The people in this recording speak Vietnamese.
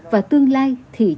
và tương lai